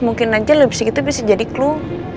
mungkin aja lobby itu bisa jadi clue